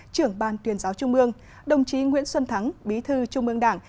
trưởng ban tuyên giáo trung mương đồng chí nguyễn xuân thắng bí thư trung ương đảng